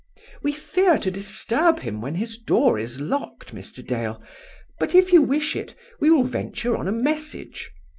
"We fear to disturb him when his door is locked, Mr. Dale; but, if you wish it, we will venture on a message.